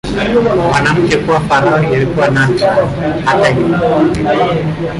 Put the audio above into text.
Mwanamke kuwa farao ilikuwa nadra, hata hivyo.